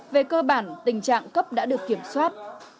về cơ bản tình trạng cấp đã được kiểm soát